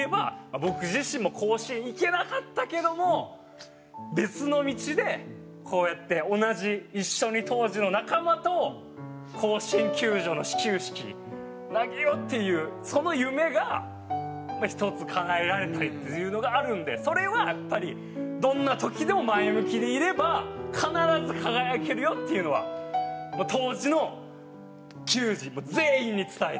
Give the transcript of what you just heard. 僕自身も甲子園行けなかったけども別の道でこうやって同じ一緒に当時の仲間と甲子園球場の始球式投げようっていうその夢が１つかなえられたりっていうのがあるんでそれはやっぱりどんな時でも前向きでいれば必ず輝けるよっていうのは当時の球児全員に伝えたいですね。